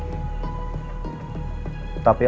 ini sama sekali enggak ada hubungannya dengan riki